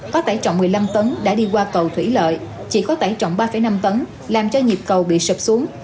có tải trọng một mươi năm tấn đã đi qua cầu thủy lợi chỉ có tải trọng ba năm tấn làm cho nhịp cầu bị sập xuống